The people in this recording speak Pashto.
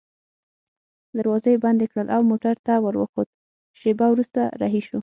دروازه يې بنده کړل او موټر ته وروخوت، شېبه وروسته رهي شوو.